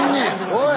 おい！